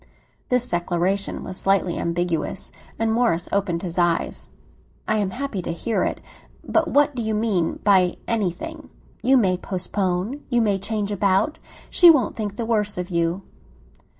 This declaration was slightly ambiguous, and Morris opened his eyes. "I am happy to hear it! But what do you mean by 'anything'?" "You may postpone—you may change about; she won't think the worse of you."